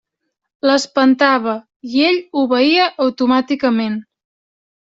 L'espentava, i ell obeïa automàticament.